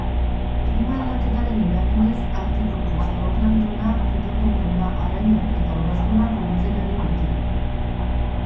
Klima aldaketaren eraginez Artikoko zooplanktona, fitoplanktona, arrainak eta ugaztunak urritzen ari baitira.